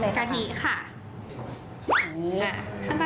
รับยู